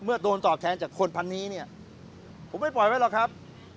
โดนตอบแทนจากคนพันนี้เนี่ยผมไม่ปล่อยไว้หรอกครับ